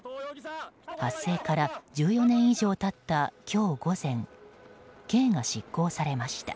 発生から１４年以上経った今日午前刑が執行されました。